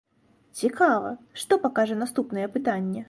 Цікава, што пакажа наступнае апытанне?